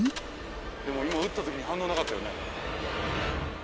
でも今撃った時に反応なかったよね。